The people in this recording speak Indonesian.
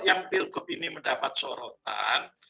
yang pilgub ini mendapat sorotan